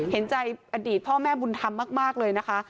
เห็นใจอดีตพ่อแม่บุญธรรมมากเลยนะคะ